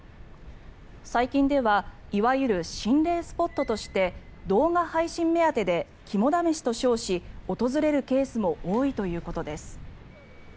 最近ではいわゆる心霊スポットとして動画配信目当てで肝試しと称し訪れるケースも多いということです。